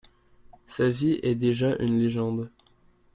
Sa vie est déjà une légende.